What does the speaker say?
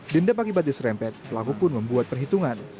dendam akibat diserempet pelaku pun membuat perhitungan